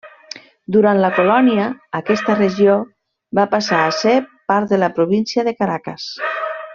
Durant la colònia aquesta regió va passar a ser part de la Província de Caracas.